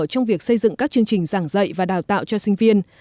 trong việc xây dựng các chương trình giảng dạy và đào tạo cho sinh viên